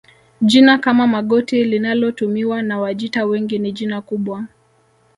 Jina kama Magoti linalotumiwa na Wajita wengi ni jina kubwa